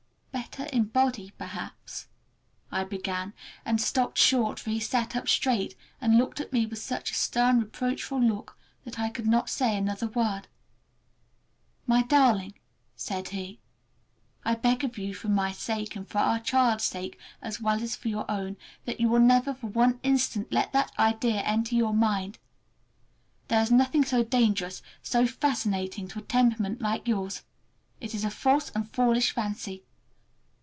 "Better in body perhaps"—I began, and stopped short, for he sat up straight and looked at me with such a stern, reproachful look that I could not say another word. "My darling," said he, "I beg of you, for my sake and for our child's sake, as well as for your own, that you will never for one instant let that idea enter your mind! There is nothing so dangerous, so fascinating, to a temperament like yours. It is a false and foolish fancy.